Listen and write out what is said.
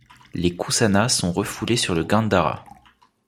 Les Kusana sont refoulés sur le Gandhara.